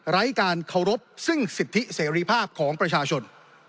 ไร้การเคารพซึ่งสิทธิเสรีภาพของประชาชน